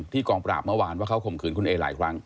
กองปราบเมื่อวานว่าเขาข่มขืนคุณเอหลายครั้ง